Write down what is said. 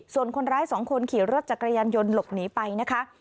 ส่วนคนร้ายสองคนขี่รถจักรยานยนต์หลบหนีไปนะคะ